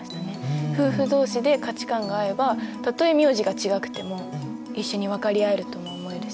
夫婦同士で価値観が合えばたとえ名字が違くても一緒に分かり合えるとも思えるし。